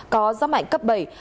có gió mạnh cấp bảy